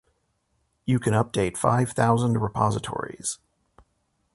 You can update five thousand repositories